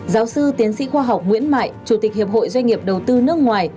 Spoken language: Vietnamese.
giáo sư tiến sĩ khoa học nguyễn mại chủ tịch hiệp hội doanh nghiệp đầu tư nước ngoài